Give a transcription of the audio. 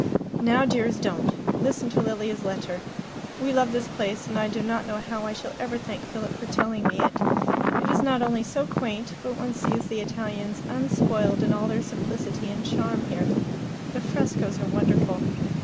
"Now, dears, don't. Listen to Lilia's letter. 'We love this place, and I do not know how I shall ever thank Philip for telling me it. It is not only so quaint, but one sees the Italians unspoiled in all their simplicity and charm here. The frescoes are wonderful.